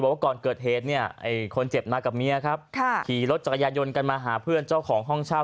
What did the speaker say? ว่าก่อนเกิดเหตุเนี่ยไอ้คนเจ็บมากับเมียครับขี่รถจักรยายนกันมาหาเพื่อนเจ้าของห้องเช่า